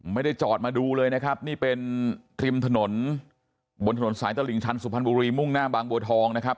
ไม่ได้จอดมาดูเลยนะครับนี่เป็นริมถนนบนถนนสายตลิ่งชันสุพรรณบุรีมุ่งหน้าบางบัวทองนะครับ